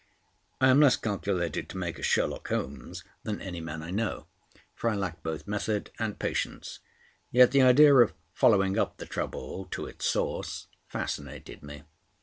I am less calculated to make a Sherlock Holmes than any man I know, for I lack both method and patience, yet the idea of following up the trouble to its source fascinated me.